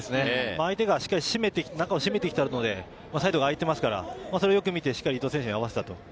相手が中を閉めてきたのでサイドがあいていますから、それをよく見て、しっかり伊東選手に合わせたと。